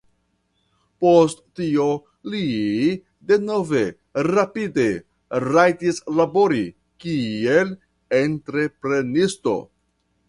Post tio li denove rapide rajtis labori kiel entreprenisto.